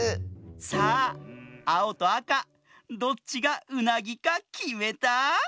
さああおとあかどっちがうなぎかきめた？